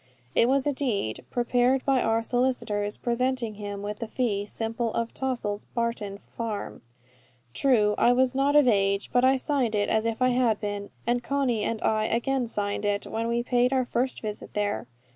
It was a deed, prepared by our solicitors, presenting him with the fee simple of Tossil's Barton farm. True, I was not of age, but I signed it as if I had been, and Conny and I again signed it, when we paid our first visit there.